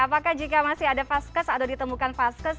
apakah jika masih ada vaskes atau ditemukan vaskes